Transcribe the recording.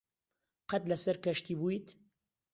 قەت لەسەر کەشتی بوویت؟